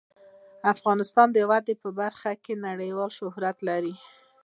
افغانستان د وادي په برخه کې نړیوال شهرت لري.